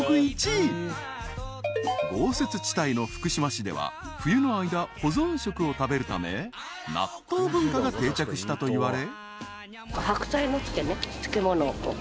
［豪雪地帯の福島市では冬の間保存食を食べるため納豆文化が定着したといわれ］